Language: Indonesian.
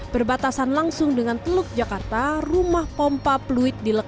berbatasan langsung dengan teluk jakarta rumah pompa fluid dilepas